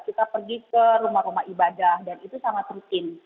kita pergi ke rumah rumah ibadah dan itu sangat rutin